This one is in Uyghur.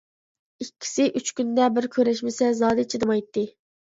ئىككىسى ئۈچ كۈندە بىر كۆرۈشمىسە زادى چىدىمايتتى.